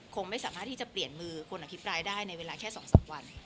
คงไม่สามารถที่จะเปลี่ยนมือคนอภิปรายได้ในเวลาแค่๒๓วัน